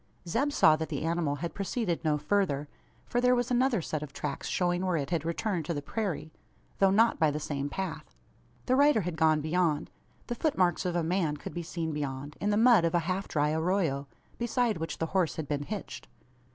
Zeb saw that the animal had proceeded no further: for there was another set of tracks showing where it had returned to the prairie though not by the same path. The rider had gone beyond. The foot marks of a man could be seen beyond in the mud of a half dry arroyo beside which the horse had been "hitched."